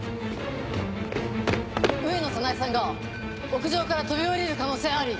上野早苗さんが屋上から飛び降りる可能性あり。